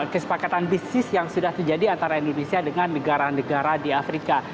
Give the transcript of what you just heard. kesepakatan bisnis yang sudah terjadi antara indonesia dengan negara negara di afrika